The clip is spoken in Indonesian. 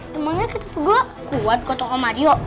demangnya kita berdua kuat kotong om mario